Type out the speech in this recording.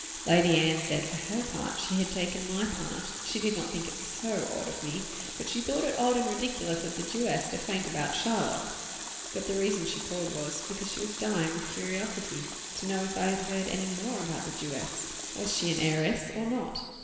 Lady Anne said, for her part, she had taken my part; she did not think it so odd of me, but she thought it odd and ridiculous of the Jewess to faint about Shylock. But the reason she called was, because she was dying with curiosity to know if I had heard any more about the Jewess. Was she an heiress or not?